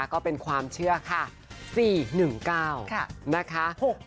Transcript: ก็เป็นความเชื่อค่ะ๔๑๙นะคะ